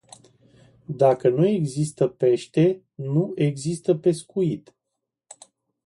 Dacă nu există pește, nu există pescuit.